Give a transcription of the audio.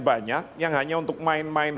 banyak yang hanya untuk main main